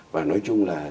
và nói chung là